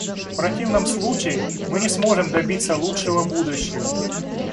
В противном случае, мы не сможем добиться лучшего будущего.